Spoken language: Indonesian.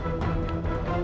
tuhan aku ingin menang